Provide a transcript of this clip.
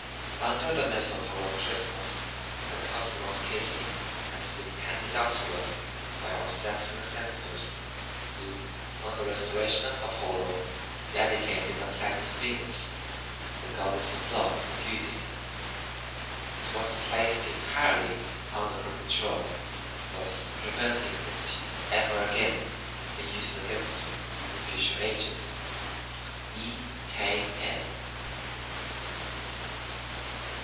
Under the Mistletoe of Christmas, the custom of kissing has been handed down to us by our Saxon ancestors, who, on the restoration of Apollo, dedicated the plant to Venus, the Goddess of Love and Beauty. It was placed entirely under her control, thus preventing its ever again being used against her in future ages. _E. K. M.